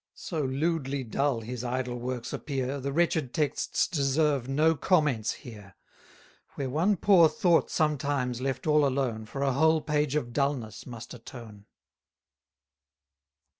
So lewdly dull his idle works appear, The wretched texts deserve no comments here; Where one poor thought sometimes, left all alone, For a whole page of dulness must atone.